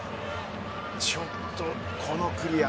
ちょっとこのクリア。